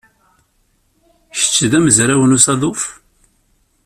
Kečč d amezraw n usaḍuf?